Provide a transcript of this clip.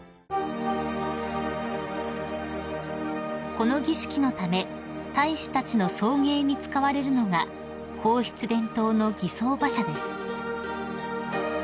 ［この儀式のため大使たちの送迎に使われるのが皇室伝統の儀装馬車です］